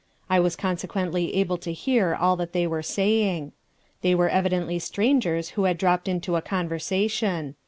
I was consequently able to hear all that they were saying. They were evidently strangers who had dropped into a conversation.